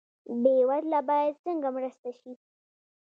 بې وزله باید څنګه مرسته شي؟